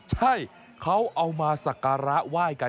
ใช่เขาเอามาสักการะไหว้กัน